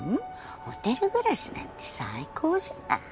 ホテル暮らしなんて最高じゃない。